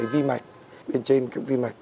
vi mạch bên trên cái vi mạch